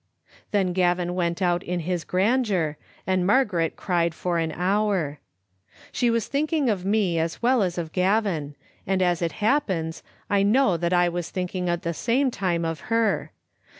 Then Gavin went out in his grandeur, and Margaret cried for an hour. She was thinking of me as well as of Gavin, and as it happens, I know that I was thinking at the same time of her.